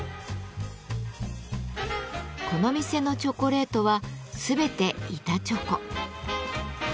この店のチョコレートは全て板チョコ。